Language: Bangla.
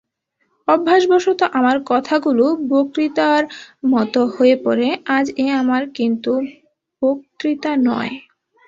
অভ্যাসবশত আমার কথাগুলো বক্তৃতার মতো হয়ে পড়ে, আজ এ আমার কিন্তু বক্তৃতা নয়।